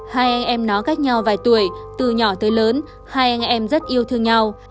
hai anh em nó cách nhau vài tuổi từ nhỏ tới lớn hai anh em rất yêu thương nhau